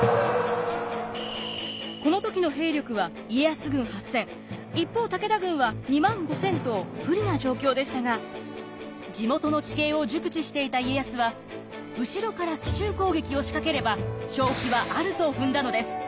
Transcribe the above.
この時の兵力は家康軍８，０００一方武田軍は２万５，０００と不利な状況でしたが地元の地形を熟知していた家康は後ろから奇襲攻撃を仕掛ければ勝機はあると踏んだのです。